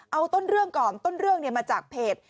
เอาต้นเรื่องก่อนต้นเรื่องมาจากเพจ